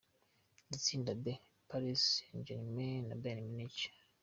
Itsinda B: Paris Saint Germain na Bayern Munichen.